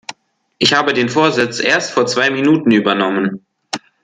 Ich habe den Vorsitz erst vor zwei Minuten übernommen.